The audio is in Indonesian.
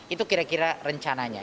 itu kira kira rencananya